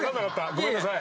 ごめんなさい。